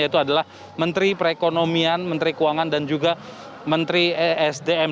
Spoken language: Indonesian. yaitu adalah menteri perekonomian menteri keuangan dan juga menteri esdm